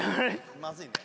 まずいな。